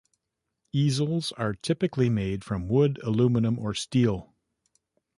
Easels are typically made from wood, aluminum or steel.